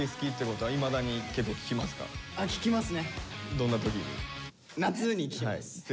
どんな時に？